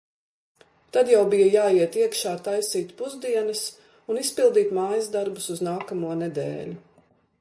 Tad jau bija jāiet iekšā taisīt pusdienas un izpildīt mājas darbus uz nākamo nedēļu.